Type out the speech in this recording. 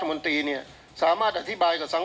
หลังแว้ฝีทาง